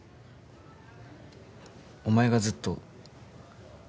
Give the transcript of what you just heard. お前がずっと。